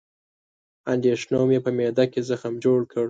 اندېښنو مې په معده کې زخم جوړ کړ